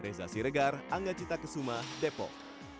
reza siregar angga cita kesuma depok